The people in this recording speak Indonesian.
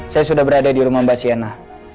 saya sudah berada di rumah mbak siana